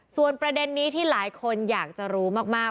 ส่วนประเด็นนี้ที่หลายคนอยากจะรู้มาก